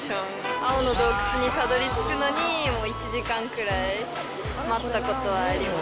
青の洞窟にたどりつくのにもう１時間くらい待ったことはあります。